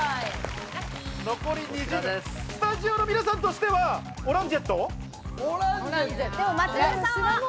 スタジオの皆さんとしてはオランジェット？でも松丸さんは？